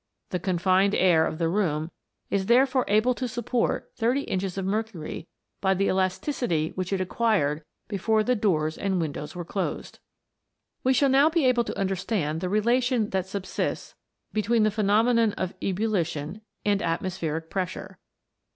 The confined air of the room is therefore able to support thirty inches of mercury by the elasticity which it acquired before the doors and windows were closed. We shall now be able to understand the relation that subsists between the phenomenon of ebullition and atmospheric pressure.